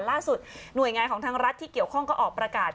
ล่าสุดหน่วยงานของทางรัฐที่เกี่ยวข้องก็ออกประกาศ